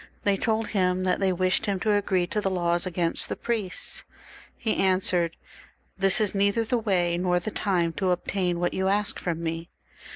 They told him that they wished him to agree to the laws against the priests. He answered, " This is neither the way nor the time to obtain what you ask fix)m me."